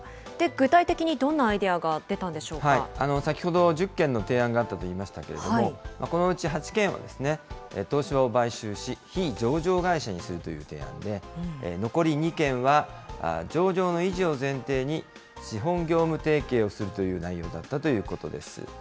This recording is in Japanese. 具体的にどんなアイデアが出たん先ほど、１０件の提案があったと言いましたけれども、このうち８件はですね、東芝を買収し、非上場会社にするという提案で、残り２件は、上場の維持を前提に、資本業務提携をするという内容だったということです。